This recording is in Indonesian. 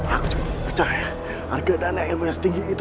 aku cuman percaya harga dana yang yang setinggi itu